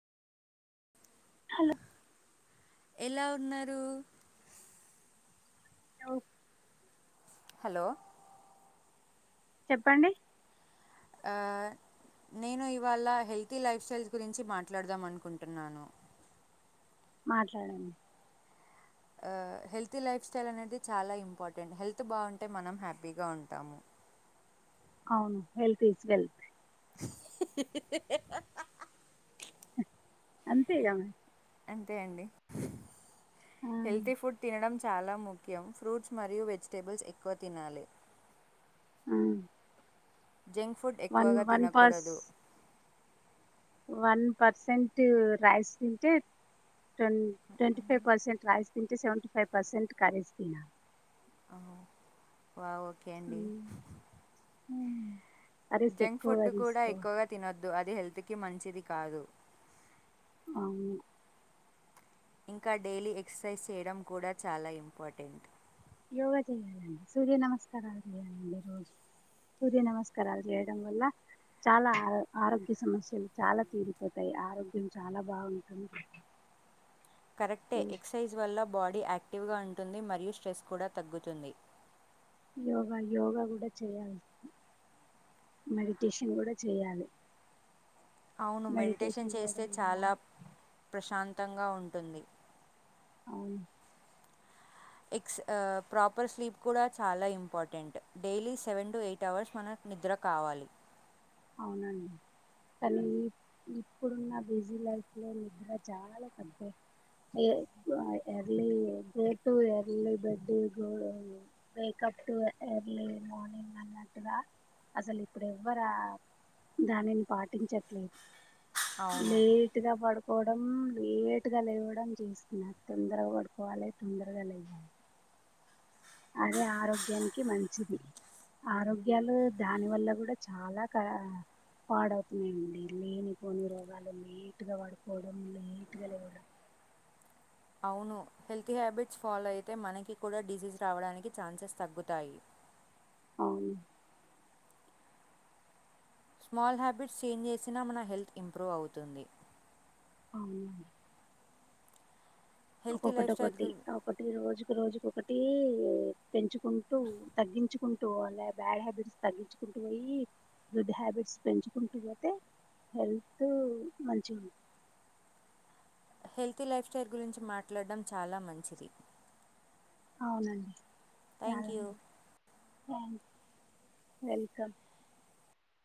Hello ఎలా ఉన్నారు అవు హలో చెప్పండి ఆ నేను ఇవాళ హెల్తీ లైఫ్ స్టైల్స్ గురించి మాట్లాడదాం అనుకుంటున్నాను మాట్లాడండి హెల్త్ లైఫ్ స్టైల్ అనేది చాలా ఇంపార్టెంట్ హెల్త్ బాగుంటే మనం హ్యాపీగా ఉంటాము అవును వెల్త్ ఇస్ వెల్త్ [inaudible] అంతే ఇగ అంతే అండి ఆ హెల్తీ ఫుడ్ తినడం చాలా ముఖ్యం ఫ్రూట్స్ మరియు వెజిటేబుల్స్ ఎక్కువ తినాలి ఆ. జంక్ ఫుడ్ వన్ ఎక్కువగా వన్ పర్స్ తినకూడదు వన్ పర్సెంట్ రాైస్ తింటే ట్ ట్వంటీ ఫైవ్ పర్సెంట్ రాస్ తింటే సెవెంటీ ఫైవ్ పర్సెంట్ ఖరీస్ు తినను [unintelligible] వా ఓకే అండి ఉమ్. ఉమ్. కర్రీస్ జంక్ ఎక్కువగా ఫుడ్ కూడా తీసుకోవాలి ఎక్కువగా తినొద్దు అది హెల్త్కిి మంచిది కాదు అవు ఇంకా డైలీ ఎక్సర్సైజ్ చేయడం కూడా చాలా ఇంపార్టెంట్ యోగా చేయాలండి సూర్య నమస్కారాలు చేయాలండి రోజు సూర్య నమస్కారాలు చేయడం వల్ల చాలా ఆ ఆరోగ్య సమస్యలు చాలా తీరిపోతాయి ఆరోగ్యం చాలా బాగుంటుంది కరెక్టే ఉమ్. ఎక్ససైజ్ వల్ల బాడీ యాక్టి్ యాక్టివ్గా ఉంటుంది మరియు స్ట్రెస్ కూడా తగ్గుతుంది యోగా యోగా కూడా చేయాలి మెడిటేషన్ కూడా చెయాలి అవును మెడిటేషన్ చేస్తే వల్ల చాలా ప్రశాంతంగా ఉంటుంది అవును ఎక్స్ ప్రాపర్ స్లీప్ కూడా చాలా important daily seven to eight hours మన నిద్ర కావాలి అవునండి కానీ ఇప్పుడున్న బిజీ లైఫ్ లో నిద్ర చాలా పెద్ద ఎ early go to early bed go wake up to early morning అన్నట్టుగా అసలు ఇప్పుడు ఎవ్వరా దానిని పాటించట్లేదు అవును లేట్గా పడు పోవడం లేట్గా లేవడం చేస్తున్నారు తొందరగా పడుకోవాలి తొందరగా లేవాలి అదే ఆరోగ్యానికి మంచిది ఆరోగ్యాలు దాని వల్ల కూడా చాలా క పాడవుతున్నాయండి లేనిపోని రోగాలు లేటుగా పడుకోవడం లేటుగా లేవడం అవును హెల్త్ హ్యాబిట్స్ ఫాలో అయితే మనకి కూడా డిజీజ్ రావడానికి ఛాన్సెస్ తగ్గుతాయి అవును స్మాల్ హ్యాబిట్స్ చేంజ్ చేసినా మన హెల్త్ ఇంప్రూవ్ అవుతుంది అవునండి హెల్తీ ఒక్కొక్కటి లైఫ్ స్టైల్ గురి ఒకటి రోజు ఒక రోజుకు ఒకటి పెంచుకుంటూ తగ్గించుకుంటూ అలా బ్యాడ్ హ్యాబిట్స్ తగ్గించుకు పోయి గుడ్ హ్యాబిట్స్ పెంచుకుంటూ పోతే హెల్త్ మంచి ఉం హెల్తీ లైఫ్ స్టైల్ గురించి మాట్లాడం చాలా మంచిది అవునండి థ్యాంక్ చాలా యూ థ్యాం వెల్కమ్